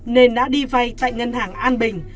nên đã đi vay tại ngân hàng an bình